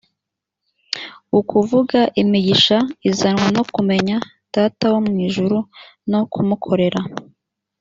ukuvuga imigisha izanwa no kumenya data wo mu ijuru no kumukorera